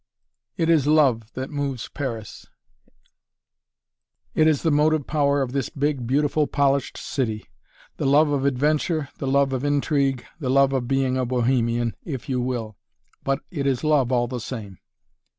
It is Love that moves Paris it is the motive power of this big, beautiful, polished city the love of adventure, the love of intrigue, the love of being a bohemian if you will but it is Love all the same!